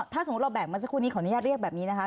ถ้าสมมุติเราแบ่งเมื่อสักครู่นี้ขออนุญาตเรียกแบบนี้นะคะ